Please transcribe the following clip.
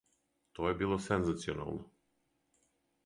То је било сензационално.